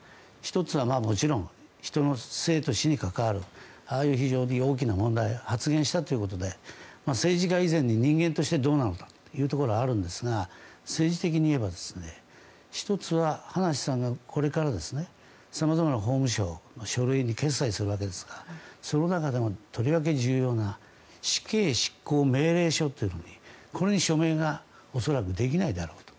１つは、もちろん人の生と死に関わるああいう非常に大きな発言をしたということで政治家以前に人間としてどうなのかというところがあるんですが政治的に言えば１つは葉梨さんがこれからさまざまな法務省書類に決裁するわけですがその中でもとりわけ重要な死刑執行命令書というのに署名が恐らくできないだろうと。